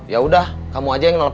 yaudah kamu aja yang nelfon